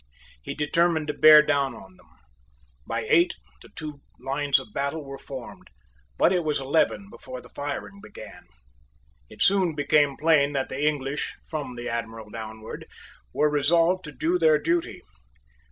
He determined to bear down on them. By eight the two lines of battle were formed; but it was eleven before the firing began. It soon became plain that the English, from the Admiral downward, were resolved to do their duty.